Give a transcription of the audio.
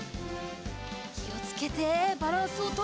きをつけてバランスをとりながら。